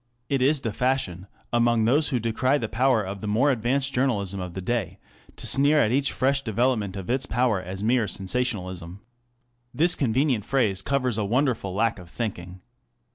It is the fashion, among those who decry the power of the more advanced journalism of the day, to sneer at each fresh development of its power as mere sensationalism. This convenient phrase covers a wonderful lack of thinking.